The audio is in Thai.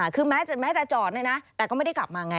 คือแม้จะจอดเนี่ยนะแต่ก็ไม่ได้กลับมาไง